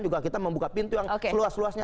kita juga membuka pintu yang seluas luasnya